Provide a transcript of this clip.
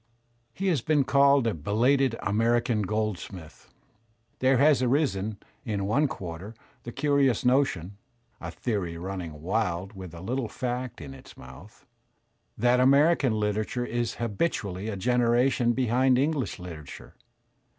He has been called a "belated" American Goldsmith. There has arisen in. one quarter the curious notion (a theory running wild with a httle fact in its mouth) that American Kterature is habitually a generation behind English literature.